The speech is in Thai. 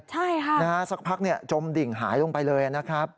ใช่ค่ะนะฮะสักพักจมดิ่งหายลงไปเลยนะครับ